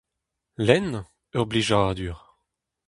Lenn ? Ur blijadur !